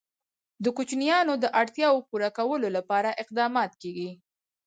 د کوچیانو د اړتیاوو پوره کولو لپاره اقدامات کېږي.